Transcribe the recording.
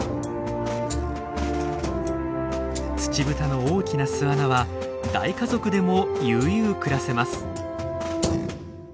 ツチブタの大きな巣穴は大家族でも悠々暮らせます。